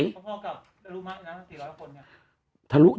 พ่อกับดารุมะนะ๔๐๐คนเนี่ย